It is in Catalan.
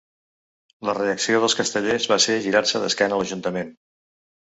La reacció dels castellers va ser girar-se d’esquena a l’ajuntament.